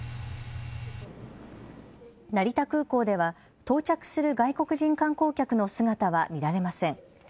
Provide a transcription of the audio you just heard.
成田空港では到着する外国人観光客の姿は見られません。